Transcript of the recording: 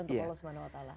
untuk allah swt